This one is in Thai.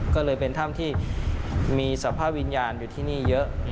ก็เลยเป็นถ้ำที่มีสภาพวิญญาณอยู่ที่นี่เยอะ